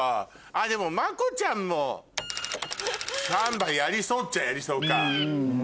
でもまこちゃんもサンバやりそうっちゃやりそうか。